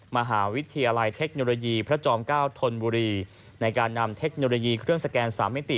มหาวิทยาลัยเทคโนโลยีพระจอม๙ธนบุรีในการนำเทคโนโลยีเครื่องสแกน๓มิติ